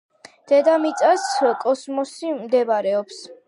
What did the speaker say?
დედამიწაწ კოსმოსში მდებარეობს